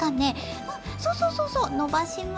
うんそうそうそうそうのばします。